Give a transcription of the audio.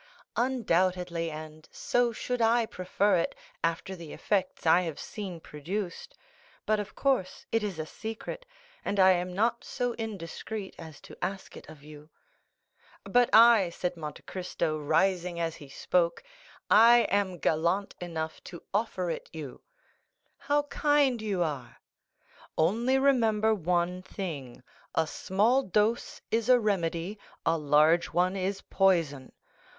"Undoubtedly, and so should I prefer it, after the effects I have seen produced; but of course it is a secret, and I am not so indiscreet as to ask it of you." "But I," said Monte Cristo, rising as he spoke—"I am gallant enough to offer it you." 30079m "How kind you are." "Only remember one thing—a small dose is a remedy, a large one is poison.